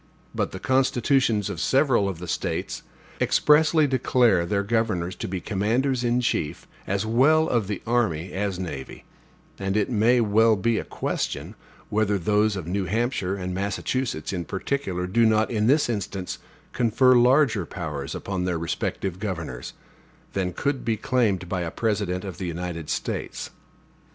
But the constitutions of several of the States expressly declare their governors to be commanders in chief, as well of the army as navy; and it may well be a question, whether those of New Hampshire and Massachusetts, in particular, do not, in this instance, confer larger powers upon their respective governors, than could be claimed by a President of the United States.